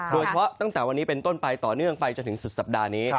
ตั้งแต่วันนี้เป็นต้นไปต่อเนื่องไปจนถึงสุดสัปดาห์นี้